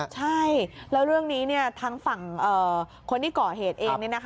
ใช่แล้วเรื่องนี้ทางฝั่งคนที่ก่อเหตุเอง